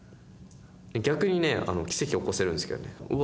逆にね奇跡起こせるんですけどね。